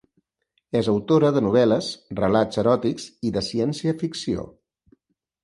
És autora de novel·les, relats eròtics i de ciència-ficció.